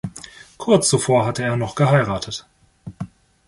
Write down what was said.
Kurz zuvor hatte er noch geheiratet.